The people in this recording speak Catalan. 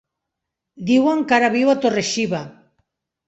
Diuen que ara viu a Torre-xiva.